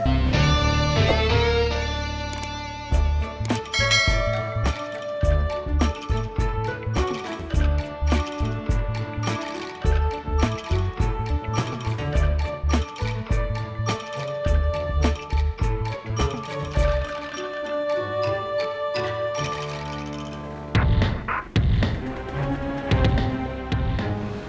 gak ada rasa